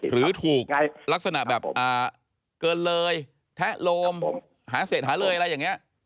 หรือถูกลักษณะแบบเกินเลยแทะโลมหาเศษหาเลยอะไรอย่างนี้